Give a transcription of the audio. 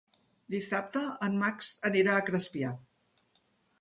Dissabte en Max anirà a Crespià.